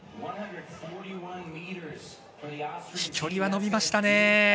飛距離は伸びましたね。